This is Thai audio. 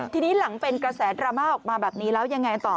ทีนี้หลังเป็นกระแสดราม่าออกมาแบบนี้แล้วยังไงต่อ